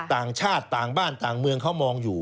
ต่างชาติต่างบ้านต่างเมืองเขามองอยู่